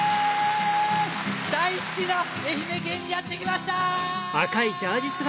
大好きな愛媛県にやって来ました。